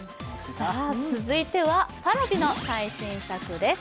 続いてはＰａｒａｖｉの最新作です。